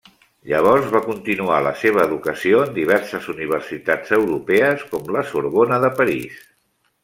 Llavors va continuar la seva educació en diverses universitats europees, com la Sorbona de París.